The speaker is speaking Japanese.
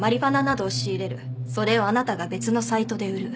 それをあなたが別のサイトで売る。